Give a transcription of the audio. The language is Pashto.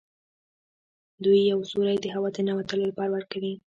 دوی یو سوری د هوا د ننوتلو لپاره ورکوي.